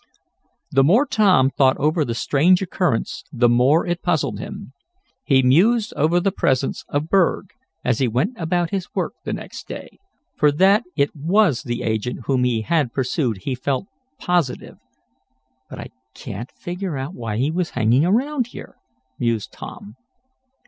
The more Tom thought over the strange occurrence the more it puzzled him. He mused over the presence of Berg as he went about his work the next day, for that it was the agent whom he had pursued he felt positive. "But I can't figure out why he was hanging around here," mused Tom.